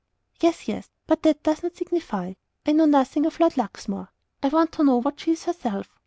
"Yes, yes; but that does not signify. I know nothing of Lord Luxmore I want to know what she is herself."